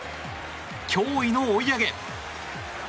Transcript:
驚異の追い上げ。